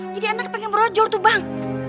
jadi anaknya pengen berujur tuh bang